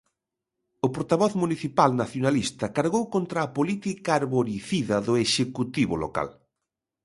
O portavoz municipal nacionalista cargou contra a política arboricida do Executivo local.